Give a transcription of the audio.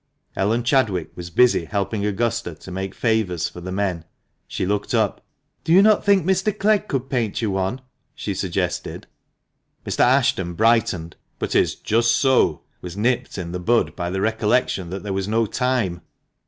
Ellen Chadwick was busy helping Augusta to make favours for the men. She looked up. "Do you not think Mr. Clegg could paint you one?" she suggested. Mr. Ashton brightened, but his "Just so!" was nipped in the bud by the recollection that there was no time.